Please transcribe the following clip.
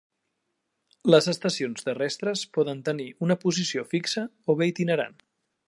Les estacions terrestres poden tenir una posició fixa o bé itinerant.